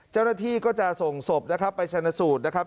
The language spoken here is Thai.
เจ้าหน้าที่ก็จะส่งสบไปแชนสูตรถะครับ